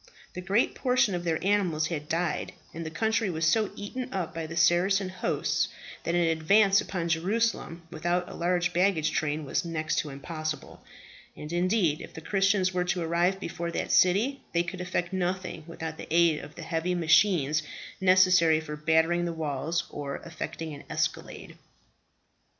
The great portion of their animals had died, and the country was so eaten up by the Saracen hosts, that an advance upon Jerusalem without a large baggage train was next to impossible; and indeed if the Christians were to arrive before that city, they could effect nothing without the aid of the heavy machines necessary for battering the walls or effecting an escalade.